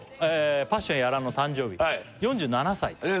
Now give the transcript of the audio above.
パッション屋良の誕生日４７歳